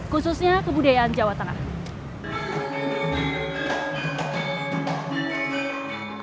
khususnya kebudayaan jawa tengah